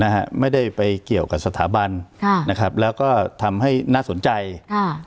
นะฮะไม่ได้ไปเกี่ยวกับสถาบันค่ะนะครับแล้วก็ทำให้น่าสนใจค่ะ